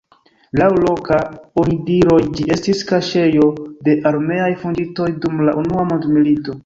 Laŭ loka onidiroj ĝi estis kaŝejo de armeaj fuĝintoj dum la unua mondmilito.